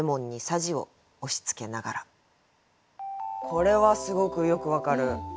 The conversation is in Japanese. これはすごくよく分かる。